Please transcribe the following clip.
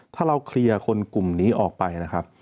ถ้าเราเคลียร์คนกลุ่มนี้ออกไปนะครับ